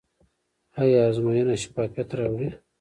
آیا ازموینه شفافیت راوړي؟